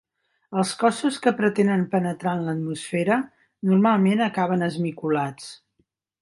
Els cossos que pretenen penetrar en l'atmosfera normalment acaben esmicolats.